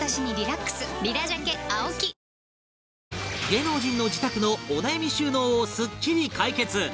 芸能人の自宅のお悩み収納をスッキリ解決！